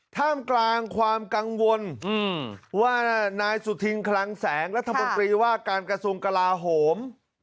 ท่ามกลางความกังวลว่านายสุธินคลังแสงรัฐมนตรีว่าการกระทรวงกลาโหม